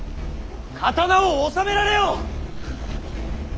刀を収められよ！